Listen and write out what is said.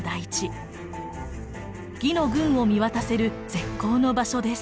魏の軍を見渡せる絶好の場所です。